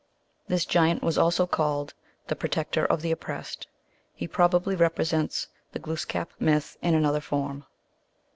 This giant was also called the Protector of the Oppressed. He probably represents the Glooskap myth in another form.